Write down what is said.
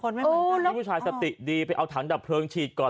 นี่ผู้ชายสะติดีไปเอาถังดับเพลิงฉีดก่อน